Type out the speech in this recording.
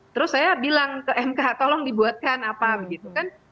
terus saya bilang ke mk tolong dibuatkan apa begitu kan